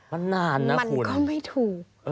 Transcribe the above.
มันนานนะมันก็ไม่ถูก